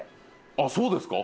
あっそうですか？